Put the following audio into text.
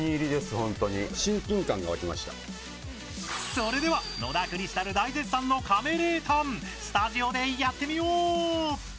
それでは野田クリスタル大絶賛の「カメレータン」スタジオでやってみよう！